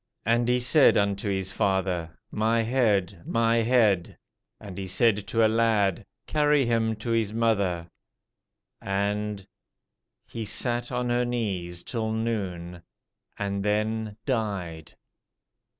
And he said unto his father, My head, my head. And he said to a lad, Carry him to his mother. And ... he sat on her knees till noon, and then died.